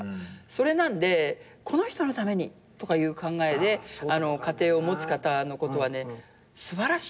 それなんでこの人のためにとかいう考えで家庭を持つ方のことはね素晴らしいなって思う。